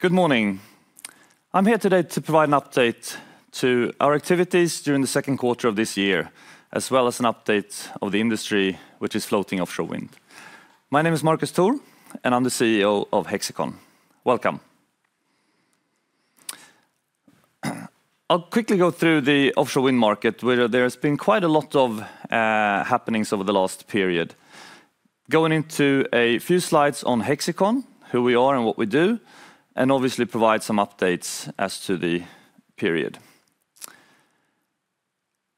Good morning. I'm here today to provide an update to our activities during the second quarter of this year, as well as an update of the industry, which is floating offshore wind. My name is Marcus Thor, and I'm the CEO of Hexicon. Welcome. I'll quickly go through the offshore wind market, where there has been quite a lot of happenings over the last period. Going into a few slides on Hexicon, who we are and what we do, and obviously provide some updates as to the period.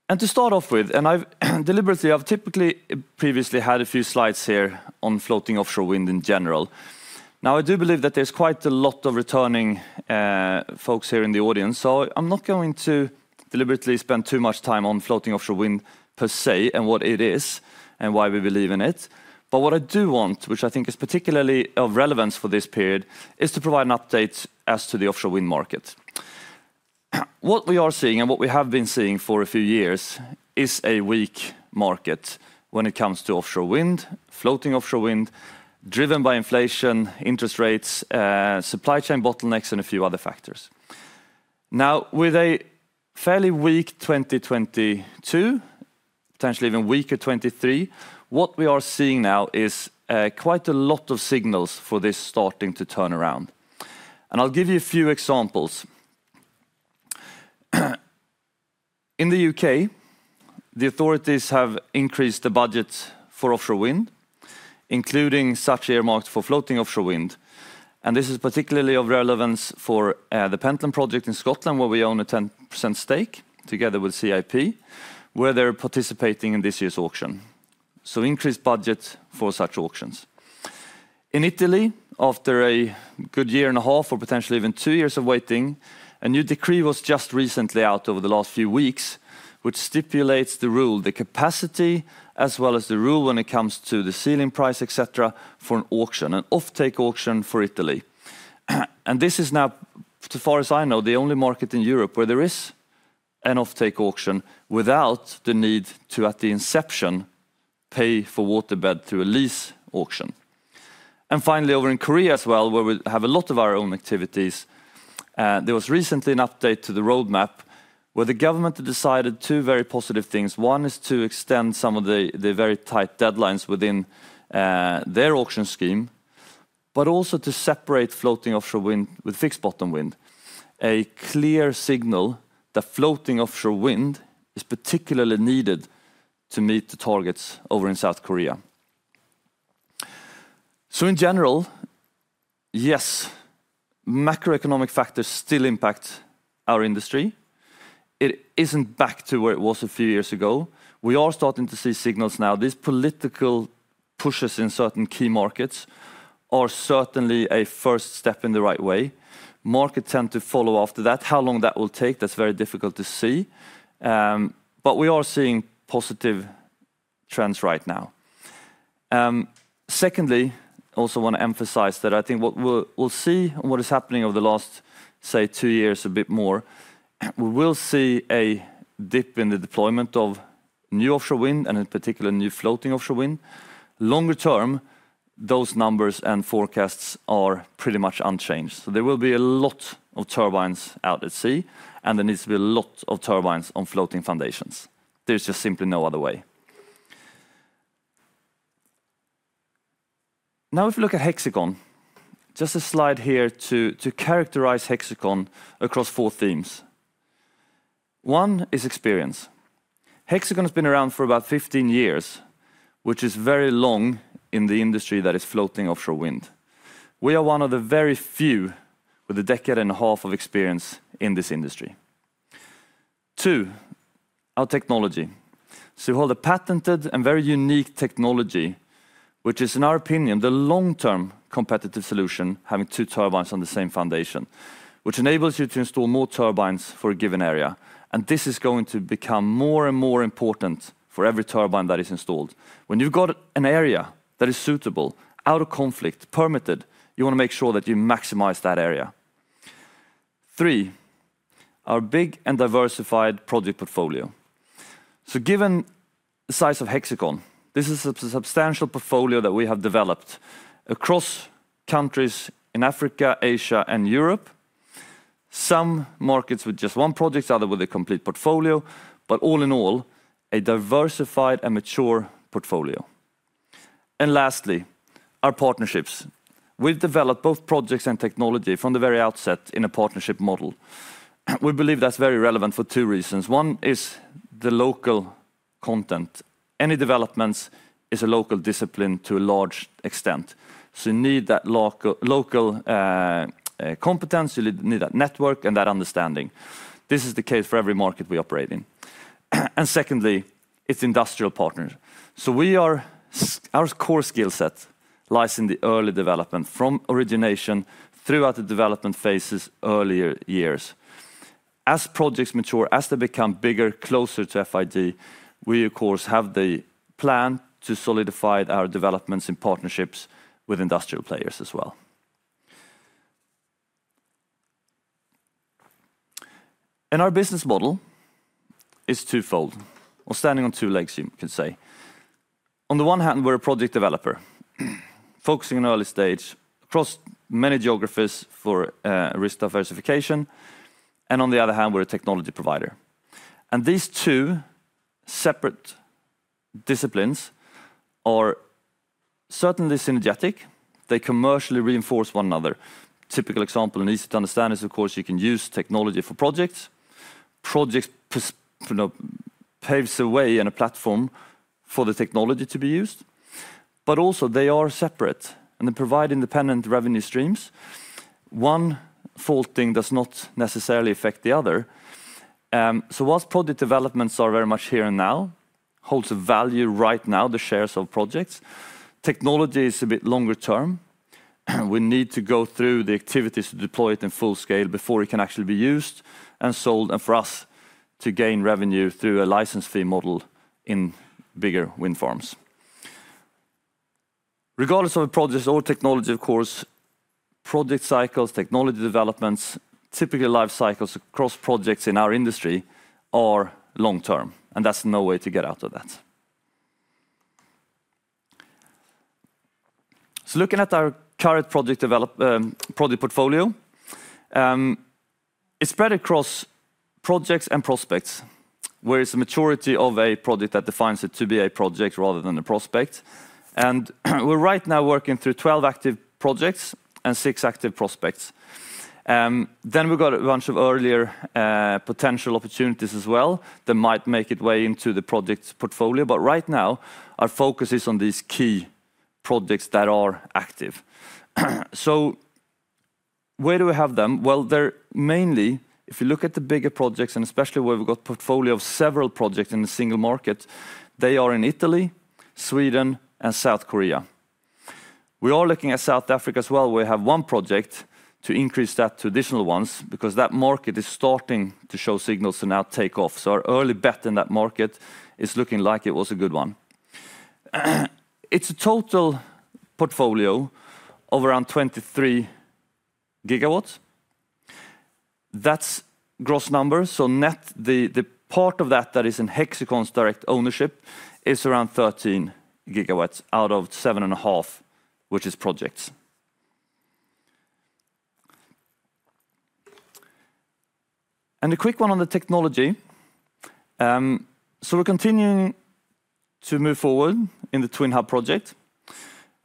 And to start off with, and I've deliberately, I've typically previously had a few slides here on floating offshore wind in general. Now, I do believe that there's quite a lot of returning folks here in the audience, so I'm not going to deliberately spend too much time on floating offshore wind per se, and what it is, and why we believe in it. But what I do want, which I think is particularly of relevance for this period, is to provide an update as to the offshore wind market. What we are seeing and what we have been seeing for a few years is a weak market when it comes to offshore wind, floating offshore wind, driven by inflation, interest rates, supply chain bottlenecks, and a few other factors. Now, with a fairly weak 2022, potentially even weaker 2023, what we are seeing now is quite a lot of signals for this starting to turn around, and I'll give you a few examples. In the U.K., the authorities have increased the budget for offshore wind, including such earmarked for floating offshore wind. And this is particularly of relevance for the Pentland project in Scotland, where we own a 10% stake, together with CIP, where they're participating in this year's auction. So increased budget for such auctions. In Italy, after a good year and a half or potentially even two years of waiting, a new decree was just recently out over the last few weeks, which stipulates the rule, the capacity, as well as the rule when it comes to the ceiling price, et cetera, for an auction, an offtake auction for Italy. And this is now, as far as I know, the only market in Europe where there is an offtake auction without the need to, at the inception, pay for seabed through a lease auction. Finally, over in Korea as well, where we have a lot of our own activities, there was recently an update to the roadmap, where the government decided two very positive things. One is to extend some of the, the very tight deadlines within their auction scheme, but also to separate floating offshore wind with fixed-bottom wind. A clear signal that floating offshore wind is particularly needed to meet the targets over in South Korea. In general, yes, macroeconomic factors still impact our industry. It isn't back to where it was a few years ago. We are starting to see signals now. These political pushes in certain key markets are certainly a first step in the right way. Markets tend to follow after that. How long that will take, that's very difficult to see, but we are seeing positive trends right now. Secondly, I also want to emphasize that I think what we'll see is what is happening over the last, say, two years a bit more. We will see a dip in the deployment of new offshore wind and, in particular, new floating offshore wind. Longer term, those numbers and forecasts are pretty much unchanged. There will be a lot of turbines out at sea, and there needs to be a lot of turbines on floating foundations. There's just simply no other way. Now, if you look at Hexicon, just a slide here to characterize Hexicon across four themes. One is experience. Hexicon has been around for about 15 years, which is very long in the industry that is floating offshore wind. We are one of the very few with a decade and a half of experience in this industry. Two, our technology. We hold a patented and very unique technology, which is, in our opinion, the long-term competitive solution, having two turbines on the same foundation, which enables you to install more turbines for a given area. And this is going to become more and more important for every turbine that is installed. When you've got an area that is suitable, out of conflict, permitted, you want to make sure that you maximize that area. Three, our big and diversified project portfolio. So given the size of Hexicon, this is a substantial portfolio that we have developed across countries in Africa, Asia, and Europe. Some markets with just one project, other with a complete portfolio, but all in all, a diversified and mature portfolio. And lastly, our partnerships. We've developed both projects and technology from the very outset in a partnership model. We believe that's very relevant for two reasons. One is the local content. Any developments is a local discipline to a large extent. So you need that local competence, you need that network and that understanding. This is the case for every market we operate in, and secondly, it's industrial partners. So our core skill set lies in the early development, from origination throughout the development phases, earlier years. As projects mature, as they become bigger, closer to FID, we of course have the plan to solidify our developments in partnerships with industrial players as well. Our business model is twofold, or standing on two legs, you can say. On the one hand, we're a project developer, focusing on early stage across many geographies for risk diversification, and on the other hand, we're a technology provider, and these two separate disciplines are certainly synergetic. They commercially reinforce one another. Typical example, and easy to understand, is, of course, you can use technology for projects. Projects you know, paves the way and a platform for the technology to be used. But also, they are separate, and they provide independent revenue streams. One faltering does not necessarily affect the other. So while project developments are very much here and now, holds a value right now, the shares of projects, technology is a bit longer term. We need to go through the activities to deploy it in full scale before it can actually be used and sold, and for us to gain revenue through a license fee model in bigger wind farms. Regardless of a project or technology, of course, project cycles, technology developments, typical life cycles across projects in our industry are long-term, and there's no way to get out of that. Looking at our current project development, project portfolio, it's spread across projects and prospects, where it's a maturity of a project that defines it to be a project rather than a prospect. We're right now working through 12 active projects and six active prospects. We've got a bunch of earlier potential opportunities as well, that might make their way into the projects portfolio. Right now, our focus is on these key projects that are active. Where do we have them? They're mainly, if you look at the bigger projects, and especially where we've got portfolio of several projects in a single market, they are in Italy, Sweden, and South Korea. We are looking at South Africa as well. We have one project to increase that to additional ones, because that market is starting to show signals to now take off. So our early bet in that market is looking like it was a good one. It's a total portfolio of around 23 gigawatts. That's gross numbers, so net, the part of that, that is in Hexicon's direct ownership, is around 13 gigawatts out of 7.5, which is projects. And a quick one on the technology. So we're continuing to move forward in the TwinHub project.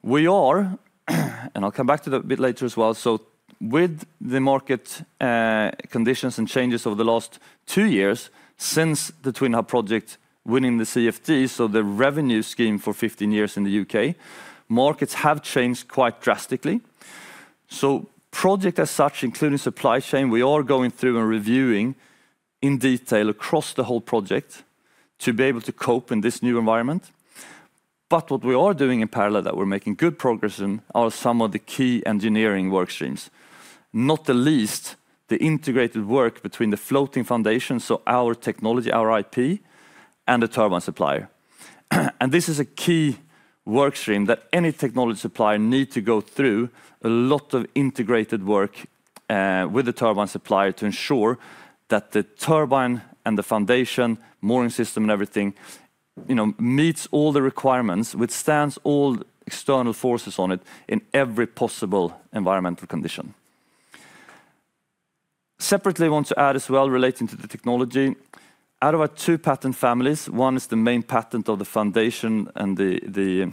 We are, and I'll come back to that a bit later as well, so with the market conditions and changes over the last two years, since the TwinHub project winning the CfD, so the revenue scheme for 15 years in the U.K., markets have changed quite drastically. So project as such, including supply chain, we are going through and reviewing in detail across the whole project, to be able to cope in this new environment. But what we are doing in parallel, that we're making good progress in, are some of the key engineering work streams, not the least, the integrated work between the floating foundation, so our technology, our IP, and the turbine supplier. And this is a key work stream that any technology supplier need to go through a lot of integrated work with the turbine supplier to ensure that the turbine and the foundation, mooring system and everything, you know, meets all the requirements, withstands all external forces on it in every possible environmental condition. Separately, I want to add as well, relating to the technology, out of our two patent families, one is the main patent of the foundation and the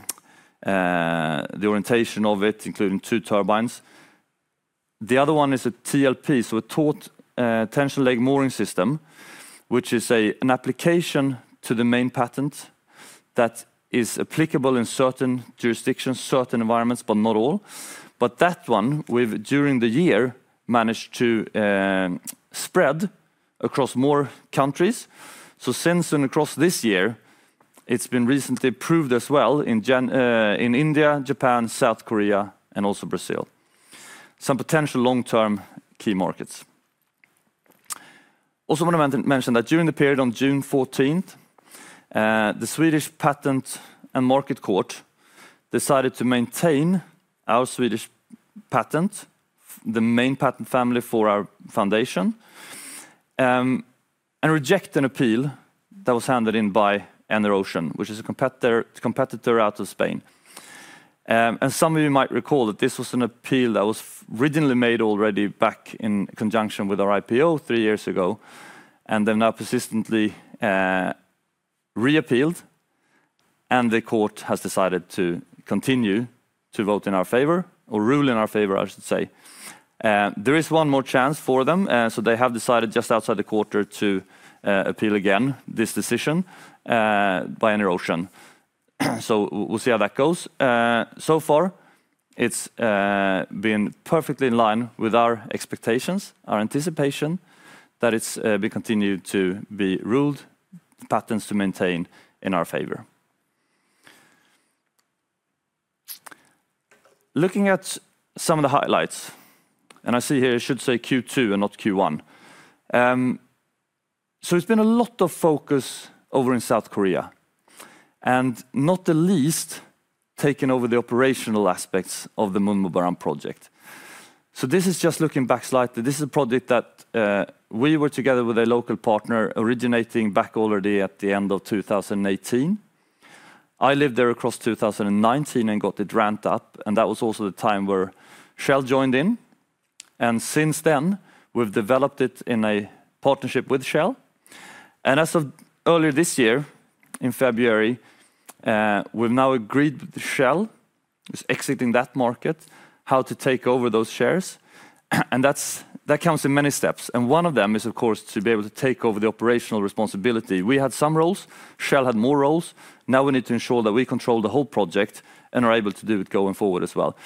orientation of it, including two turbines. The other one is a TLP, so a tension leg mooring system, which is an application to the main patent that is applicable in certain jurisdictions, certain environments, but not all. But that one, we've during the year managed to spread across more countries. So, across this year, it's been recently approved as well in Japan, in India, South Korea, and also Brazil. Some potential long-term key markets. I also want to mention that during the period on June 14th, the Swedish Patent and Market Court decided to maintain our Swedish patent, the main patent family for our foundation, and reject an appeal that was handed in by EnerOcean, which is a competitor out of Spain. And some of you might recall that this was an appeal that was originally made already back in conjunction with our IPO three years ago, and they've now persistently reappealed, and the court has decided to continue to vote in our favor, or rule in our favor, I should say. There is one more chance for them, so they have decided just outside the quarter to appeal again this decision by EnerOcean. So we'll see how that goes. So far, it's been perfectly in line with our expectations, our anticipation, that it's be continued to be ruled, patents to maintain in our favor. Looking at some of the highlights, and I see here, it should say Q2 and not Q1. So it's been a lot of focus over in South Korea. And not the least, taking over the operational aspects of the MunmuBaram project. So this is just looking back slightly. This is a project that, we were together with a local partner, originating back already at the end of 2018. I lived there across 2019 and got it ramped up, and that was also the time where Shell joined in, and since then, we've developed it in a partnership with Shell. And as of earlier this year, in February, we've now agreed with Shell, who's exiting that market, how to take over those shares. And that comes in many steps, and one of them is, of course, to be able to take over the operational responsibility. We had some roles, Shell had more roles. Now, we need to ensure that we control the whole project and are able to do it going forward as well.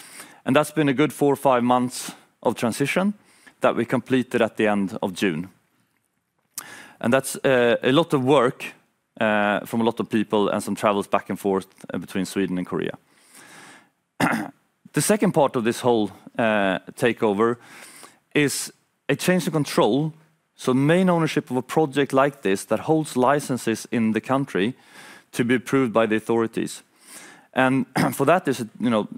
And that's been a good four or five months of transition that we completed at the end of June. And that's a lot of work from a lot of people and some travels back and forth between Sweden and Korea. The second part of this whole takeover is a change of control, so main ownership of a project like this that holds licenses in the country to be approved by the authorities. And for that, there's, you know,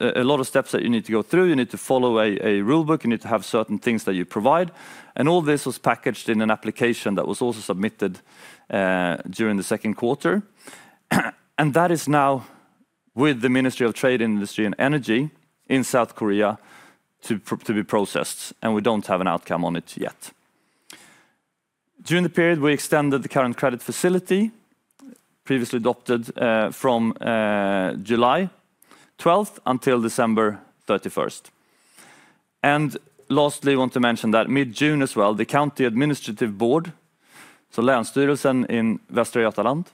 a lot of steps that you need to go through. You need to follow a rule book. You need to have certain things that you provide. And all this was packaged in an application that was also submitted during the second quarter. That is now with the Ministry of Trade, Industry, and Energy in South Korea to be processed, and we don't have an outcome on it yet. During the period, we extended the current credit facility, previously adopted, from July 12th until December 31st. Lastly, I want to mention that mid-June as well, the County Administrative Board, so Länsstyrelsen in Västra Götaland,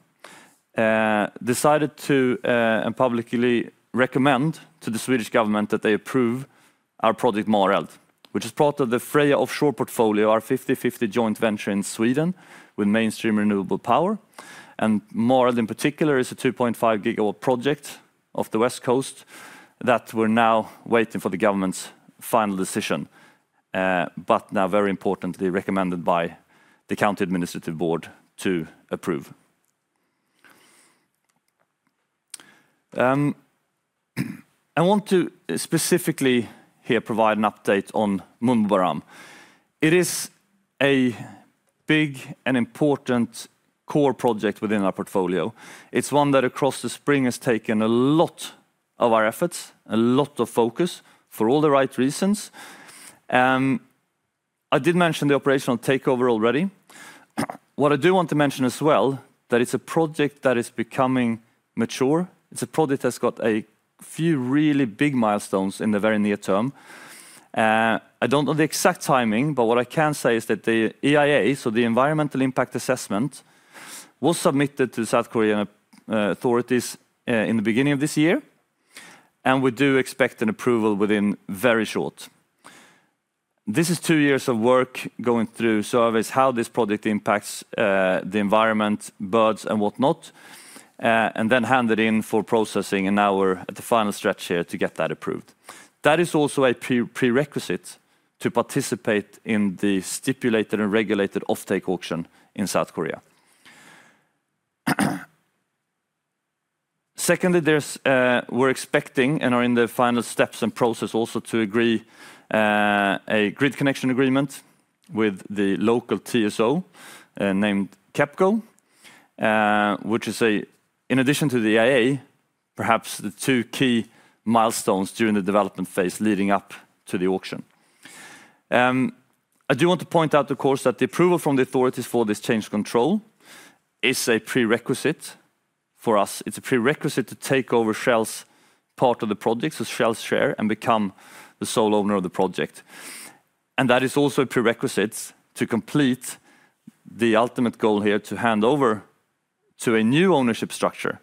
decided to and publicly recommend to the Swedish government that they approve our project Mareld, which is part of the Freya Offshore portfolio, our fifty-fifty joint venture in Sweden with Mainstream Renewable Power. Mareld, in particular, is a 2.5 gigawatt project off the West Coast that we're now waiting for the government's final decision, but now very importantly, recommended by the County Administrative Board to approve. I want to specifically here provide an update on MunmuBaram. It is a big and important core project within our portfolio. It's one that across the spring has taken a lot of our efforts, a lot of focus, for all the right reasons. I did mention the operational takeover already. What I do want to mention as well, that it's a project that is becoming mature. It's a project that's got a few really big milestones in the very near term. I don't know the exact timing, but what I can say is that the EIA, so the environmental impact assessment, was submitted to the South Korean authorities in the beginning of this year, and we do expect an approval within very short. This is two years of work going through surveys, how this project impacts the environment, birds, and whatnot, and then hand it in for processing, and now we're at the final stretch here to get that approved. That is also a prerequisite to participate in the stipulated and regulated offtake auction in South Korea. Secondly, there's. We're expecting and are in the final steps and process also to agree a grid connection agreement with the local TSO named KEPCO, which is a, in addition to the EIA, perhaps the two key milestones during the development phase leading up to the auction. I do want to point out, of course, that the approval from the authorities for this change of control is a prerequisite for us. It's a prerequisite to take over Shell's part of the project, so Shell's share, and become the sole owner of the project. That is also a prerequisite to complete the ultimate goal here, to hand over to a new ownership structure,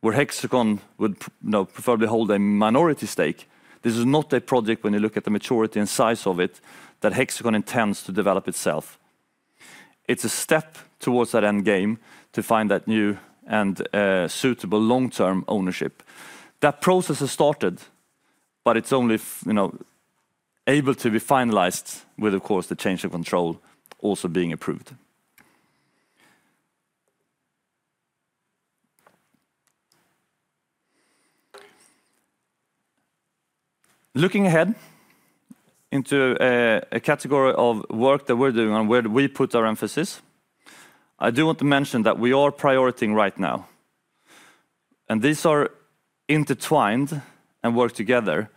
where Hexicon would you know, preferably hold a minority stake. This is not a project, when you look at the maturity and size of it, that Hexicon intends to develop itself. It's a step towards that end game to find that new and suitable long-term ownership. That process has started, but it's only you know, able to be finalized with, of course, the change of control also being approved. Looking ahead into a category of work that we're doing and where we put our emphasis, I do want to mention that we are prioritizing right now, and these are intertwined and work together,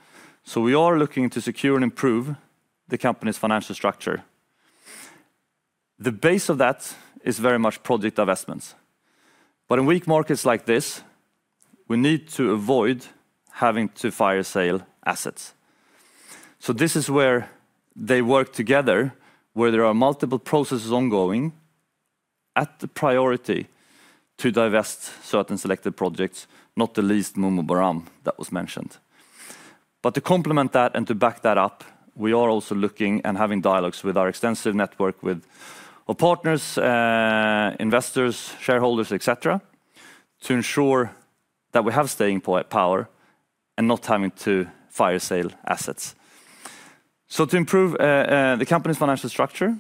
so we are looking to secure and improve the company's financial structure. The base of that is very much project divestments. But in weak markets like this, we need to avoid having to fire sale assets. So this is where they work together, where there are multiple processes ongoing at the priority to divest certain selected projects, not the least MunmuBaram, that was mentioned. But to complement that and to back that up, we are also looking and having dialogues with our extensive network, with our partners, investors, shareholders, et cetera, to ensure that we have staying power and not having to fire sale assets. So to improve, the company's financial structure,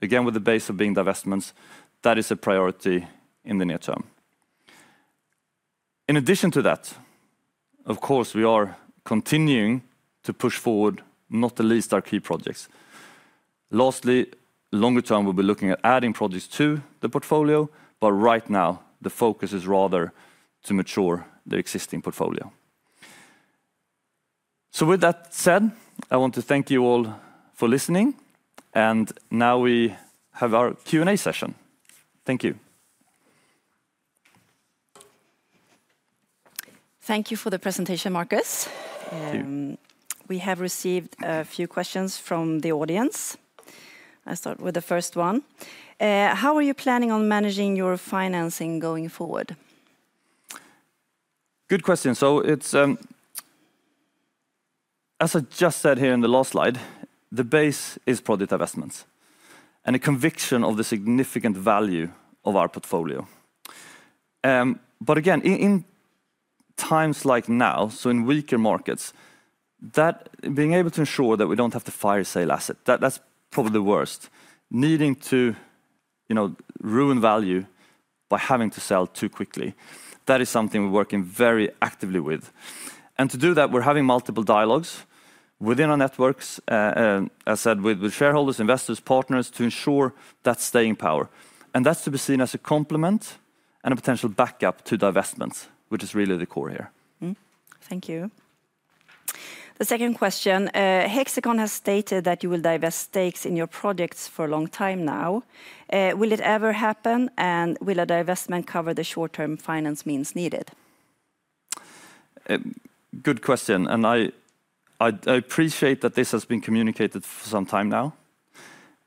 again, with the base of being divestments, that is a priority in the near term. In addition to that, of course, we are continuing to push forward, not the least, our key projects. Lastly, longer term, we'll be looking at adding projects to the portfolio, but right now, the focus is rather to mature the existing portfolio. So with that said, I want to thank you all for listening, and now we have our Q&A session. Thank you. Thank you for the presentation, Marcus. Thank you. We have received a few questions from the audience. I'll start with the first one. How are you planning on managing your financing going forward? Good question. So it's, as I just said here in the last slide, the base is project divestments and a conviction of the significant value of our portfolio. But again, in times like now, so in weaker markets, that being able to ensure that we don't have to fire sale asset, that's probably the worst. Needing to, you know, ruin value by having to sell too quickly, that is something we're working very actively with. And to do that, we're having multiple dialogues within our networks, as said, with shareholders, investors, partners, to ensure that staying power, and that's to be seen as a complement and a potential backup to divestments, which is really the core here. Mm, thank you. The second question, Hexicon has stated that you will divest stakes in your projects for a long time now. Will it ever happen, and will a divestment cover the short-term finance means needed? Good question, and I appreciate that this has been communicated for some time now,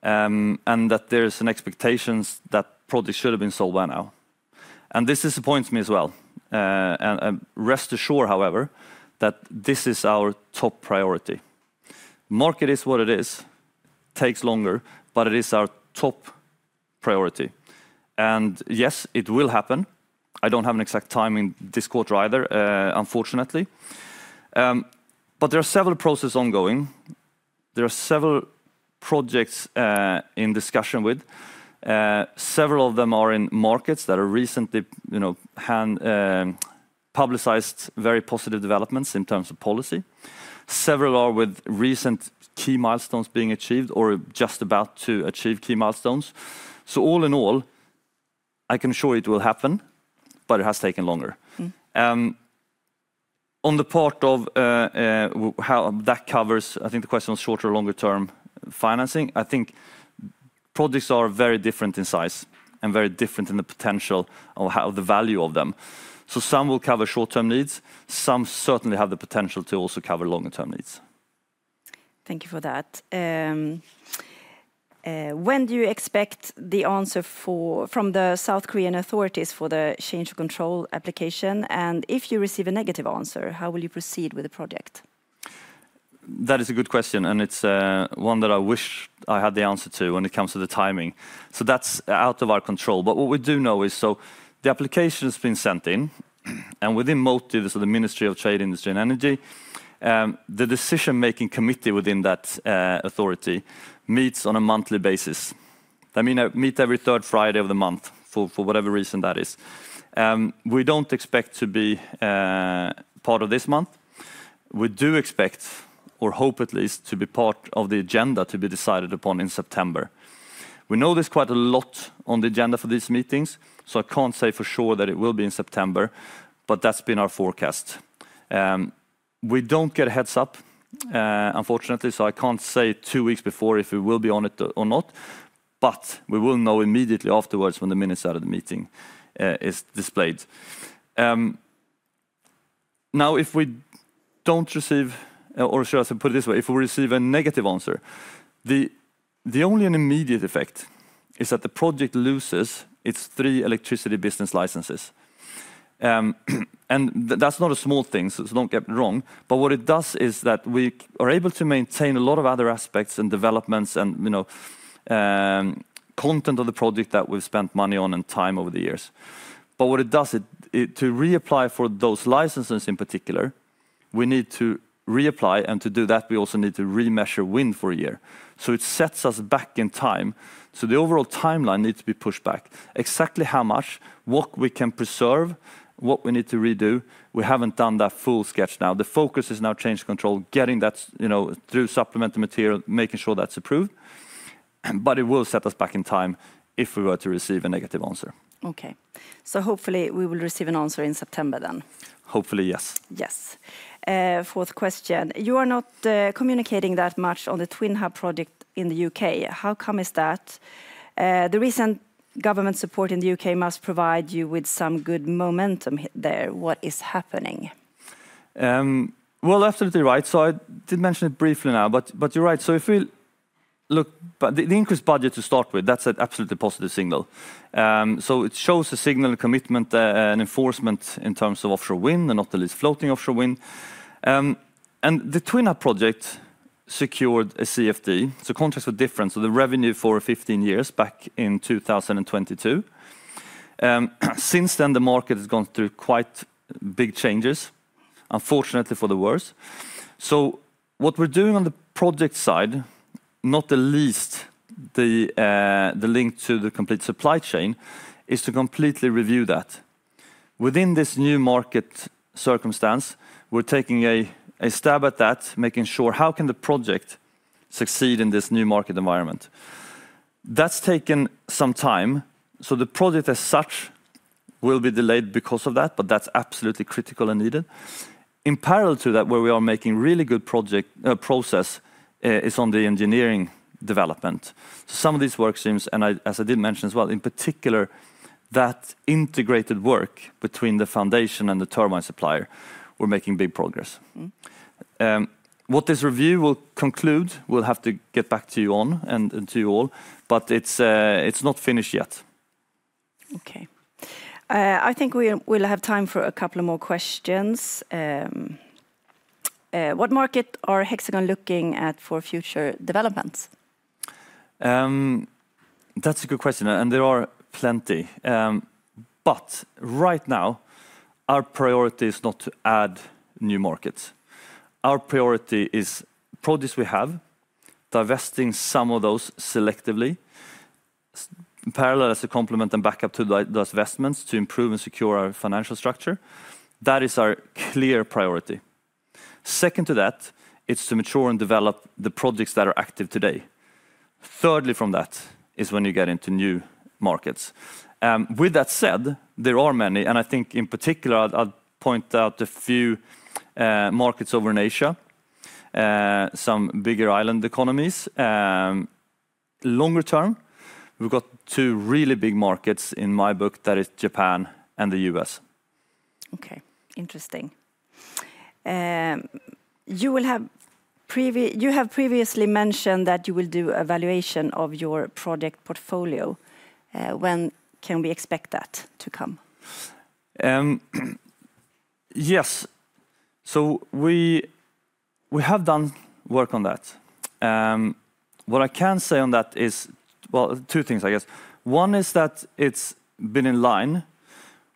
and that there's an expectations that probably should have been sold by now, and this disappoints me as well. Rest assured, however, that this is our top priority. Market is what it is, takes longer, but it is our top priority, and yes, it will happen. I don't have an exact timing this quarter either, unfortunately. But there are several processes ongoing. There are several projects in discussion with. Several of them are in markets that are recently, you know, had publicized very positive developments in terms of policy. Several are with recent key milestones being achieved or just about to achieve key milestones. So all in all, I can assure you it will happen, but it has taken longer. Mm. On the part of how that covers, I think the question on shorter or longer-term financing. I think projects are very different in size and very different in the potential of how the value of them. So some will cover short-term needs, some certainly have the potential to also cover longer-term needs. Thank you for that. When do you expect the answer from the South Korean authorities for the change of control application, and if you receive a negative answer, how will you proceed with the project? That is a good question, and it's one that I wish I had the answer to when it comes to the timing. So that's out of our control. But what we do know is, so the application has been sent in, and within MOTIE, so the Ministry of Trade, Industry, and Energy, the decision-making committee within that authority meets on a monthly basis. They meet every third Friday of the month, for whatever reason that is. We don't expect to be part of this month. We do expect, or hope at least, to be part of the agenda to be decided upon in September. We know there's quite a lot on the agenda for these meetings, so I can't say for sure that it will be in September, but that's been our forecast. We don't get a heads-up, unfortunately, so I can't say two weeks before if we will be on it or not, but we will know immediately afterwards when the minutes of the meeting is displayed. Now, if we don't receive, or should I put it this way, if we receive a negative answer, the only and immediate effect is that the project loses its three electricity business licenses. And that's not a small thing, so don't get me wrong, but what it does is that we are able to maintain a lot of other aspects and developments and, you know, content of the project that we've spent money on and time over the years. But what it does, it to reapply for those licenses in particular. We need to reapply, and to do that, we also need to remeasure wind for a year. So it sets us back in time. So the overall timeline needs to be pushed back. Exactly how much, what we can preserve, what we need to redo, we haven't done that full sketch now. The focus is now change of control, getting that, you know, through supplementary material, making sure that's approved, but it will set us back in time if we were to receive a negative answer. Okay, so hopefully, we will receive an answer in September then. Hopefully, yes. Yes. Fourth question: You are not communicating that much on the TwinHub project in the UK. How come is that? The recent government support in the UK must provide you with some good momentum there. What is happening? Well, absolutely right. So I did mention it briefly now, but you're right. So if we look, but the increased budget to start with, that's an absolutely positive signal. So it shows a signal, a commitment, an enforcement in terms of offshore wind, and not the least, floating offshore wind. And the TwinHub project secured a CfD, so Contract for Difference, so the revenue for 15 years back in 2022. Since then, the market has gone through quite big changes, unfortunately, for the worse. So what we're doing on the project side, not the least, the link to the complete supply chain, is to completely review that. Within this new market circumstance, we're taking a stab at that, making sure how can the project succeed in this new market environment? That's taken some time, so the project as such will be delayed because of that, but that's absolutely critical and needed. In parallel to that, where we are making really good project process is on the engineering development. Some of these work streams, and I, as I did mention as well, in particular, that integrated work between the foundation and the turbine supplier, we're making big progress. Mm. What this review will conclude, we'll have to get back to you on and to you all, but it's not finished yet. Okay. I think we'll have time for a couple of more questions. What market are Hexicon looking at for future developments? That's a good question, and there are plenty, but right now, our priority is not to add new markets. Our priority is projects we have, divesting some of those selectively, parallel as a complement and backup to those investments to improve and secure our financial structure. That is our clear priority. Second to that, it's to mature and develop the projects that are active today. Thirdly, from that, is when you get into new markets. With that said, there are many, and I think in particular, I'll point out a few, markets over in Asia, some bigger island economies. Longer term, we've got two really big markets in my book, that is Japan and the U.S. Okay. Interesting. You have previously mentioned that you will do evaluation of your project portfolio. When can we expect that to come? Yes. We have done work on that. What I can say on that is two things, I guess. One is that it's been in line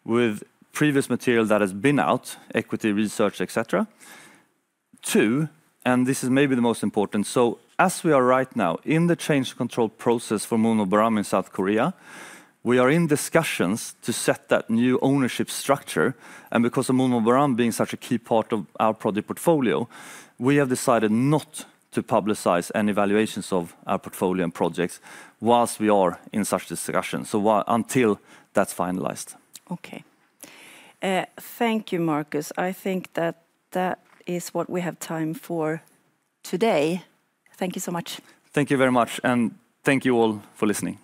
with previous material that has been out, equity research, et cetera. Two, and this is maybe the most important, so as we are right now in the change of control process for MunmuBaram in South Korea, we are in discussions to set that new ownership structure. And because of MunmuBaram being such a key part of our project portfolio, we have decided not to publicize any evaluations of our portfolio and projects while we are in such discussions until that's finalized. Okay. Thank you, Marcus. I think that that is what we have time for today. Thank you so much. Thank you very much, and thank you all for listening.